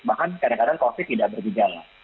bahkan kadang kadang covid tidak bergejala